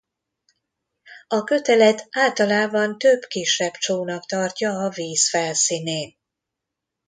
A kötelet általában több kisebb csónak tartja a víz felszínén.